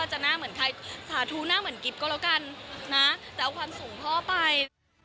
จะหน้าเหมือนใครสาธุหน้าเหมือนกิ๊บก็แล้วกันนะแต่เอาความสูงพ่อไป